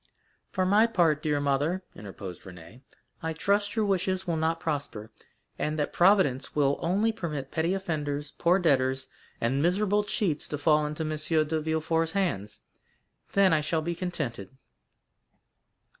"For my part, dear mother," interposed Renée, "I trust your wishes will not prosper, and that Providence will only permit petty offenders, poor debtors, and miserable cheats to fall into M. de Villefort's hands,—then I shall be contented."